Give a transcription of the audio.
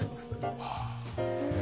はあ。